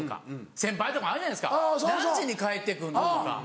先輩あるじゃないですか「何時に帰って来るの？」とか。